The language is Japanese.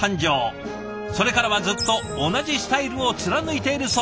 それからはずっと同じスタイルを貫いているそうです。